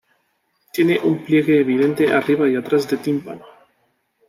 Tiene un pliegue evidente arriba y atrás de tímpano.